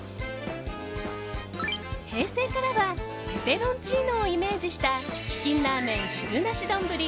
平成からはペペロンチーノをイメージしたチキンラーメン汁なしどんぶり